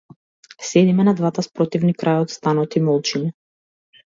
Седиме на двата спротивни краја од станот и молчиме.